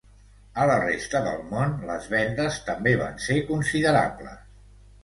A la resta del món les vendes també van ser considerables.